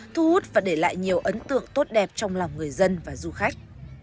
thu hút và để lại nhiều ấn tượng tốt đẹp trong lòng người dân và du khách